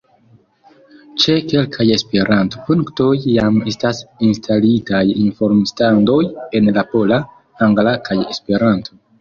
Ĉe kelkaj Esperanto-punktoj jam estas instalitaj informstandoj en la pola, angla kaj Esperanto.